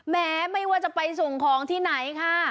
แม้ไม่ว่าจะไปส่งของที่ไหนค่ะ